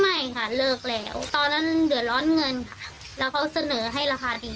ไม่ค่ะเลิกแล้วตอนนั้นเดือดร้อนเงินค่ะแล้วเขาเสนอให้ราคาดี